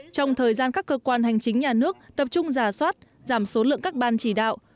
trong thời gian các cơ quan hành chính nhà nước tập trung giả soát giảm số lượng các ban chỉ đạo